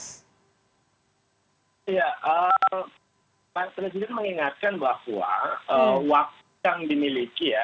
ya pak presiden mengingatkan bahwa waktu yang dimiliki ya